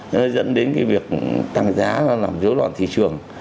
nó dẫn đến cái việc tăng giá nó làm dối loạn thị trường